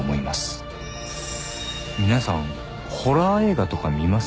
「皆さんホラー映画とか見ます？」